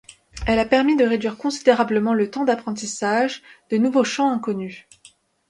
Elle a permis de réduire considérablement le temps d'apprentissage de nouveaux chants inconnus.